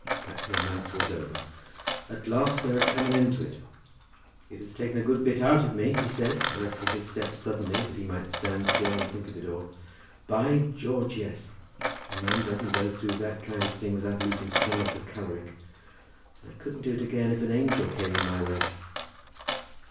That romance was over. At last there had come an end to it! "It has taken a good bit out of me," he said, arresting his steps suddenly that he might stand still and think of it all. "By George, yes! A man doesn't go through that kind of thing without losing some of the caloric. I couldn't do it again if an angel came in my way."